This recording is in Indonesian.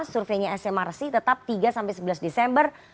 surveinya smrc tetap tiga sampai sebelas desember